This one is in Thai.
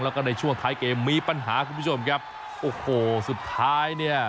แล้วก็ในช่วงท้ายเกมมีปัญหาคุณผู้ชมครับโอ้โหสุดท้ายเนี่ย